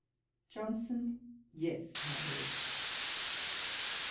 JOHNSON. 'Yes, my Lord.'